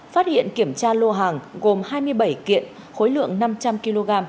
phát hiện kiểm tra lô hàng gồm hai mươi bảy kiện khối lượng năm trăm linh kg